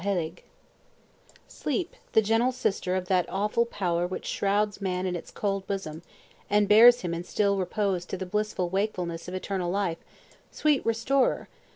Sleep, the gentle sister of that awful power which shrouds man in its cold bosom, and bears him in still repose to the blissful wakefulness of eternal life she, sweet restorer!